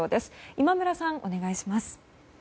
今村さん、お願いします。